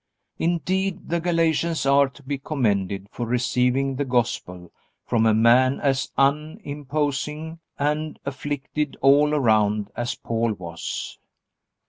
Indeed, the Galatians are to be commended for receiving the Gospel from a man as unimposing and afflicted all around as Paul was.